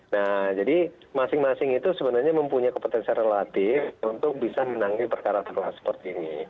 nah jadi masing masing itu sebenarnya mempunyai kompetensi relatif untuk bisa menangani perkara perkara seperti ini